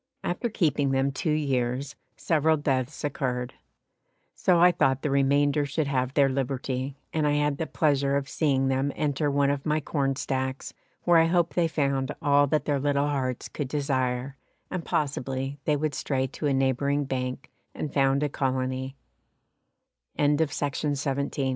After keeping them two years several deaths occurred, so I thought the remainder should have their liberty, and I had the pleasure of seeing them enter one of my corn stacks where I hope they found all that their little hearts could desire, and possibly they would stray to a neighbouring bank and found a colony. T